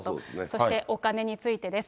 そしてお金についてです。